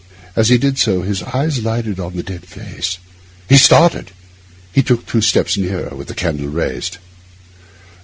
As he did so his eyes lighted on the dead face. He started; he took two steps nearer, with the candle raised.